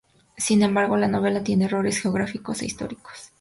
Sin embargo, la novela tiene errores geográficos e históricos.